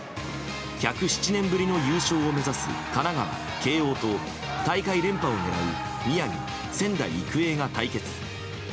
１０７年ぶりの優勝を目指す神奈川・慶應と大会連覇を狙う宮城・仙台育英が対決。